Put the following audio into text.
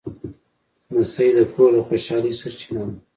لمسی د کور د خوشحالۍ سرچینه ده.